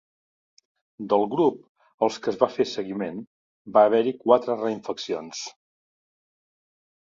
Del grup als que es va fer seguiment va haver-hi quatre reinfeccions.